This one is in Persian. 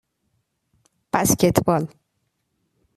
بسکتبال